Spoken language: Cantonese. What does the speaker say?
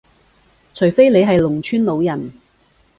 除非你係農村老人